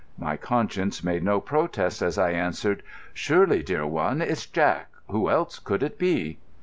My conscience made no protest as I answered: "Surely, dear one, it's Jack. Who else could it be?"